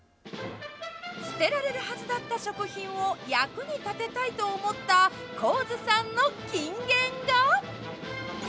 捨てられるはずだった食品を役に立てたいと思った高津さんの金言が。